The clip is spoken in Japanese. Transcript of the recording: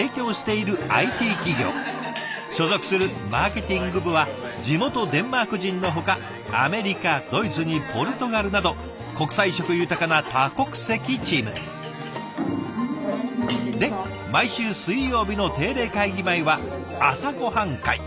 所属するマーケティング部は地元デンマーク人のほかアメリカドイツにポルトガルなど国際色豊かな多国籍チーム。で毎週水曜日の定例会議前は朝ごはん会。